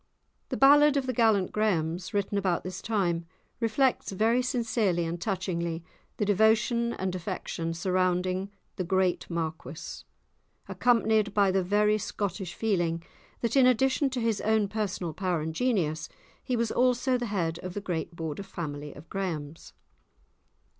The ballad of the "Gallant Grahams," written about this time, reflects very sincerely and touchingly the devotion and affection surrounding the great Marquis, accompanied by the very Scottish feeling that in addition to his own personal power and genius, he was also the head of the great Border family of Grahams.